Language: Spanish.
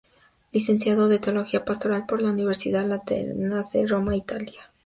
Licenciado en Teología Pastoral por la Universidad Lateranense; Roma, Italia.